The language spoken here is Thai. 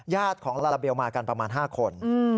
ของลาลาเบลมากันประมาณ๕คน